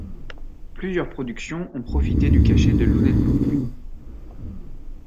Plusieurs productions ont profité du cachet de Lunenburg.